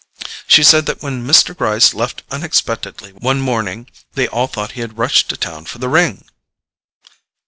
She said that when Mr. Gryce left unexpectedly one morning, they all thought he had rushed to town for the ring."